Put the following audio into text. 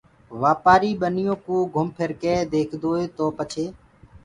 وآپآري ٻنيو ڪو گھم ڦر ڪي ديکدوئي تو پڇي